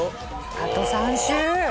あと３周。